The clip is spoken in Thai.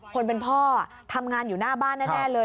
คนเป็นพ่อทำงานอยู่หน้าบ้านแน่เลย